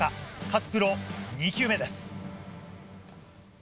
勝プロ２球目です。